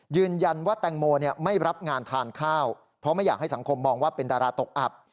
ยืนยันว่าแตงโมไม่รับงานทานข้าวเพราะไม่อยากให้สังคมมองว่าเป็นดาราตกอับ